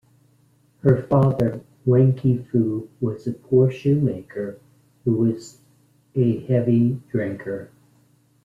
Her father, Wen Qifu was a poor shoemaker who was a heavy drinker.